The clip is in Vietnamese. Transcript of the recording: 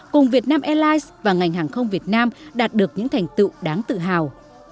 cùng việt nam airlines và ngành hàng không việt nam đạt được những thành tựu đáng tự hào